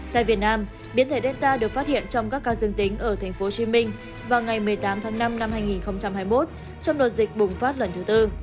tại việt nam biến thể delta được phát hiện trong các ca dương tính ở tp hcm vào ngày một mươi tám tháng năm năm hai nghìn hai mươi một trong đợt dịch bùng phát lần thứ tư